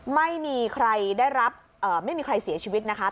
ไม่มีใครได้รับไม่มีใครเสียชีวิตนะคะ